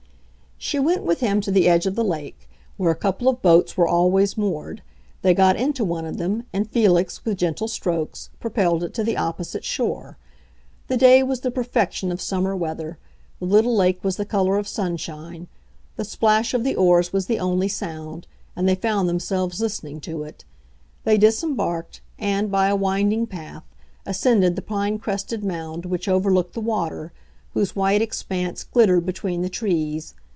She went with him to the edge of the lake, where a couple of boats were always moored; they got into one of them, and Felix, with gentle strokes, propelled it to the opposite shore. The day was the perfection of summer weather; the little lake was the color of sunshine; the plash of the oars was the only sound, and they found themselves listening to it. They disembarked, and, by a winding path, ascended the pine crested mound which overlooked the water, whose white expanse glittered between the trees.